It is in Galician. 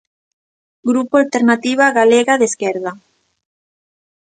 Grupo Alternativa Galega de Esquerda.